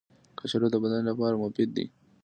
کچالو د بدن لپاره مفید دي